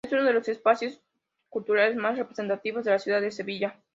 Es uno de los espacios culturales más representativos de la ciudad de Sevilla.